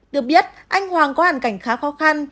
được biết anh hoàng có hàn cảnh khá khó khăn